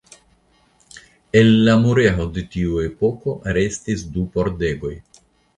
El la murego de tiu epoko restis du pordegoj.